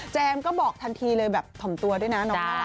แจมก็บอกทันทีเลยแบบถ่อมตัวด้วยนะ